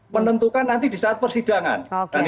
menentukan nanti di saat persidangan